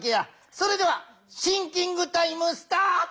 それではシンキングタイムスタート！